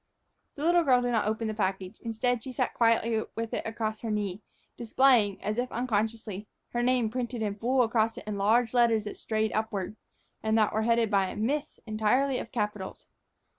The little girl did not open the package; instead, she sat quietly with it across her knee, displaying, as if unconsciously, her name printed in full across it in large letters that strayed upward, and that were headed by a "Miss" entirely of capitals.